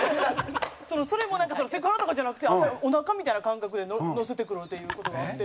それもセクハラとかじゃなくておなかみたいな感覚でのせてくるっていう事があって。